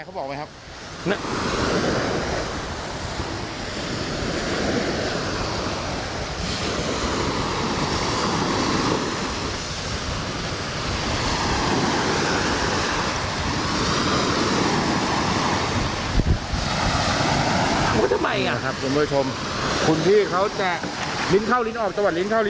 ๒๕๖เขาบึนเดี๋ยวอะไรทายเขาบอกมั้ยครับ